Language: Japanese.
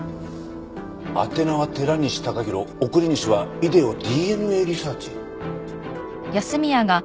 宛名は寺西高広送り主はイデオＤＮＡリサーチ？